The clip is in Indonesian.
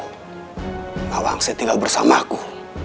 kalau angsa tinggal bersamaku